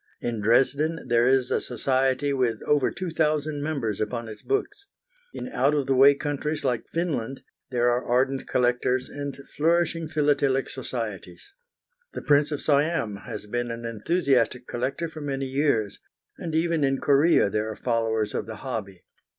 In Dresden there is a society with over two thousand members upon its books; in out of the way countries like Finland there are ardent collectors and flourishing philatelic societies. The Prince of Siam has been an enthusiastic collector for many years, and even in Korea there are followers of the hobby.